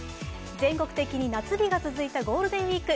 全国的に夏日が続いたゴールデンウイーク。